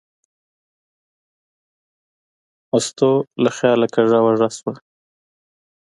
مستو له خیاله کږه وږه شوه.